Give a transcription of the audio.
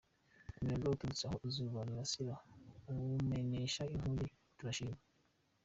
Umuyaga uturutse aho izuba rirasira, Uwumenesha inkuge z’i Tarushishi.